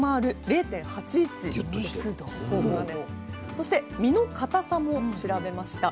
そして実の硬さも調べました。